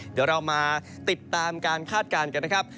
เดี๋ยวเรามาติดตามการคาดการณ์กันนะครับ